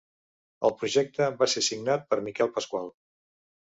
El projecte va ser signat per Miquel Pasqual.